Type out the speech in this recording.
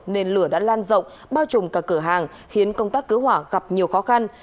nên lửa đã lan rộng bao trùm cả cửa hàng khiến công tác cứu hỏa gặp nhiều khó khăn